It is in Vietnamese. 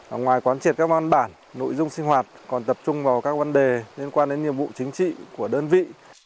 ở ngoài quán triệt các văn bản nội dung sinh hoạt còn tập trung vào các vấn đề liên quan đến nhiệm vụ chính trị của đơn vị